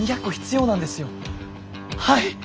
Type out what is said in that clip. はい！